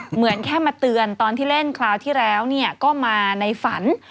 เหมือนแค่มาเตือนตอนที่เล่นคราวที่แล้วก็มาในฝัน